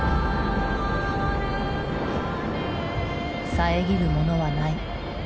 遮るものはない。